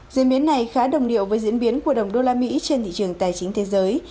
diễn biến này khá đồng điệu với diễn biến của đồng đô la mỹ trên thị trường tài chính thế giới